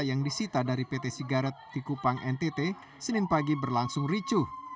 yang disita dari pt sigaret di kupang ntt senin pagi berlangsung ricuh